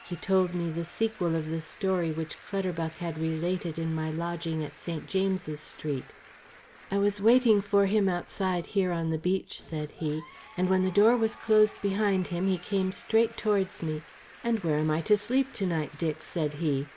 He told me the sequel of the story which Clutterbuck had related in my lodging at St. James's Street. "I was waiting for him outside here on the beach," said he; "and when the door was closed behind him, he came straight towards me. 'And where am I to sleep to night, Dick?' said he.